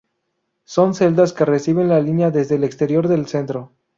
Son celdas que reciben las líneas desde el exterior del centro.